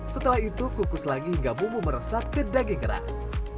setelah itu kukus lagi hingga bumbu meresap ke daging kerang